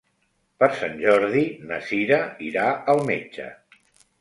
Per Sant Jordi na Cira irà al metge.